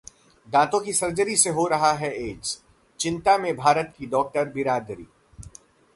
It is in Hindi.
दांतो की सर्जरी से हो सकता है एड्स, चिंता में भारत की डॉक्टर बिरादरी